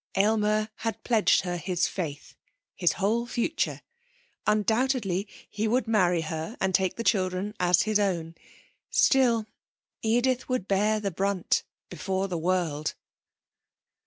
Aylmer had pledged her his faith, his whole future; undoubtedly he would marry her and take the children as his own; still, Edith would bear the brunt before the world.